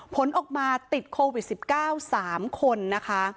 ผลออกมาติดโควิด๑๙๓คนนะคะ